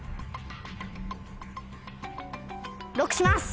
ＬＯＣＫします！